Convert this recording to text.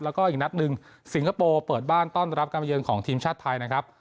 แล้วก็อีกนัดหนึ่งสิงคโปร์เปิดบ้านต้อนรับการมาเยินของทีมชาติไทยนะครับ